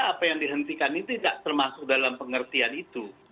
apa yang dihentikan itu tidak termasuk dalam pengertian itu